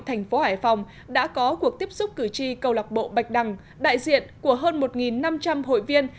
thành phố hải phòng đã có cuộc tiếp xúc cử tri câu lạc bộ bạch đằng đại diện của hơn một năm trăm linh hội viên